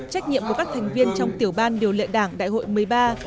trách nhiệm của các thành viên trong tiểu ban điều lệ đảng đại hội một mươi ba